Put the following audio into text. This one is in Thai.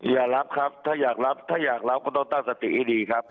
อย่ารับครับถ้าอยากรับถ้าอยากรับก็ต้องตั้งสติให้ดีครับ